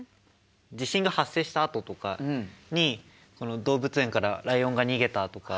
地震が発生したあととかにこの「動物園からライオンが逃げた！」とか。